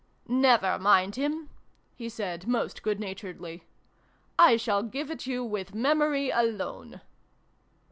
" Nevare mind him !" he said, most good naturedly. " I shall give it you with memory alone